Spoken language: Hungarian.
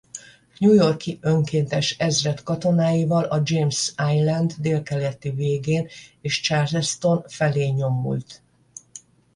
New York-i önkéntes ezred katonáival a James Island délkeleti végén és Charleston felé nyomult.